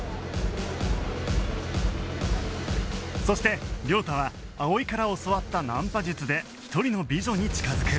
そして亮太は葵から教わったナンパ術で一人の美女に近づく